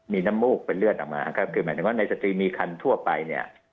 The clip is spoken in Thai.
มีน้ำมูกเป็นเลือดออกมาครับคือหมายถึงว่าในสตรีมีคันทั่วไปเนี่ย